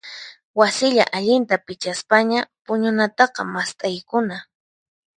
Wasilla allinta pichaspaña puñunataqa mast'aykuna.